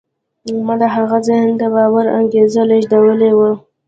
ما د هغه ذهن ته د باور انګېزه لېږدولې وه